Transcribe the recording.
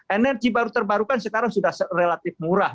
energi baru terbarukan sekarang sudah relatif murah